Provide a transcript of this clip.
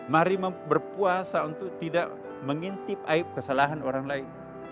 mari berpuasa untuk tidak mengintip aib kesalahan orang lain